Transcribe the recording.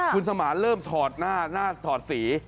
คุณสมารเริ่มถอดหน้าถอดสี